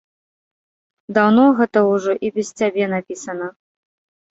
Даўно гэта ўжо і без цябе напісана.